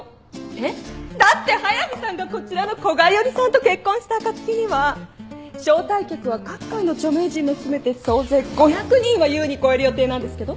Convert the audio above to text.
えっ？だって速見さんがこちらの古賀一織さんと結婚した暁には招待客は各界の著名人も含めて総勢５００人は優に超える予定なんですけど。